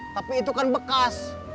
tapi itu kan bekas